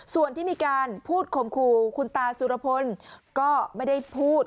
ส่วนที่มีการพูดข่มขู่คุณตาสุรพลก็ไม่ได้พูด